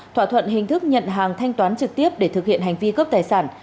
thỏa thuận hình thức nhận hàng thanh toán trực tiếp để thực hiện hành vi cướp tài sản